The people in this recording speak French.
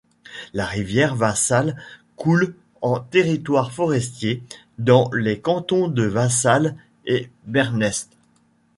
La rivière Vassal coule en territoire forestier dans les cantons de Vassal et Bernetz.